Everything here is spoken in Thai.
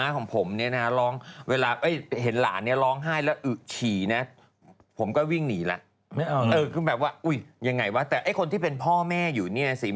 ค่อยดูนะเธอเห็นลูกเธออย่างนี้เถอะไม่มี